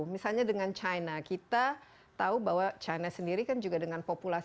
misalnya dengan china kita tahu bahwa china sendiri kan juga dengan populasi